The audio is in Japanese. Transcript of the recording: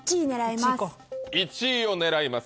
１位を狙います